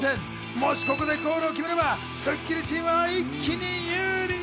もしここでゴールを決めればスッキリチームは一気に有利に。